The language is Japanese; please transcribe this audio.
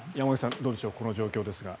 どうでしょうこの状況ですが。